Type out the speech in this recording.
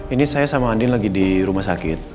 ini saya sama andi lagi di rumah sakit